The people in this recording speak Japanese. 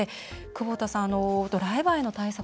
久保田さん、ドライバーへの対策